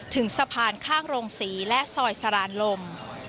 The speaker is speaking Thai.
ถึงสะพานข้างโรงศรีและซอยสรานลม